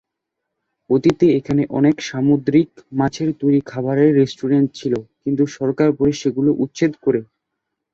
অতীতে এখানে অনেক সামুদ্রিক-মাছের তৈরি খাবারের রেস্টুরেন্ট ছিলো কিন্তু সরকার পরে সেগুলো উচ্ছেদ করে।